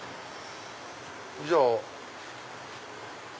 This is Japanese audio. じゃあ。